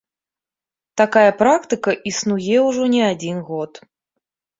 Такая практыка існуе ўжо не адзін год.